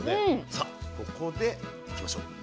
さあここでいきましょう。